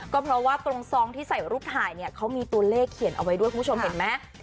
ก็เพราะว่าตรงซองที่ใส่รูปถ่ายเนี่ยเขามีตัวเลขเขียนเอาไว้ด้วยคุณผู้ชมเห็นไหม